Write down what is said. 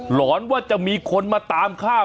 หลอนว่าจะมีคนมาตามฆ่า